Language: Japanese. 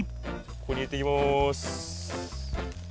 ここに入れていきます。